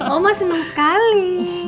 oma seneng sekali